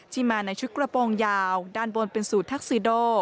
มาในชุดกระโปรงยาวด้านบนเป็นสูตรทักซิโด